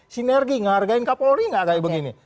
sinergi ngehargain kapolri nggak kayak begini